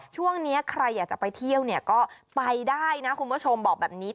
ช่วงนี้ใครอยากจะไปเที่ยวเนี่ยก็ไปได้นะคุณผู้ชมบอกแบบนี้